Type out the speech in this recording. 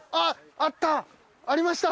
あった。